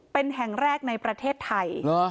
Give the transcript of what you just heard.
เป็นแห่งแรกในประเทศไทย